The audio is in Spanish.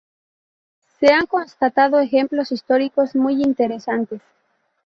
Se han constatado ejemplos históricos muy interesantes.